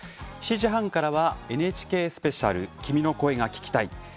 ７時半からはＮＨＫスペシャル「君の声が聴きたい」。